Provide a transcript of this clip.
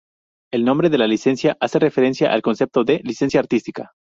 El nombre de la licencia hace referencia al concepto de "licencia artística".